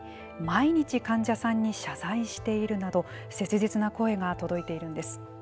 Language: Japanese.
毎日患者さんに謝罪しているなど切実な声が届いているんです。